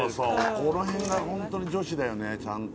この辺がホントに女子だよねちゃんと。